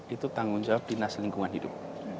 itu tanggung jawab dinas lingkungan hidup